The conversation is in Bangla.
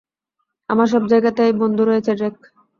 আমার সব জায়গাতেই বন্ধু রয়েছে, ড্রেক।